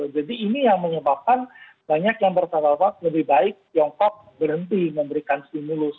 jadi ini yang menyebabkan banyak yang bersabapak lebih baik tiongkok berhenti memberikan stimulus